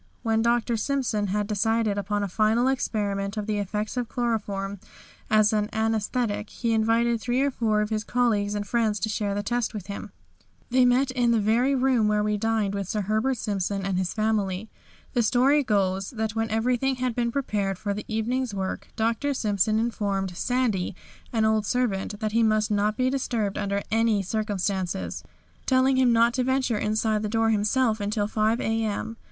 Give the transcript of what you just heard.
When Dr. Simpson had decided upon a final experiment of the effects of chloroform as an anæsthetic, he invited three or four of his colleagues and friends to share the test with him. They met in the very room where we dined with Sir Herbert Simpson and his family. The story goes that when everything had been prepared for the evening's work, Dr. Simpson informed "Sandy," an old servant, that he must not be disturbed under any circumstances, telling him not to venture inside the door himself until 5 a.m.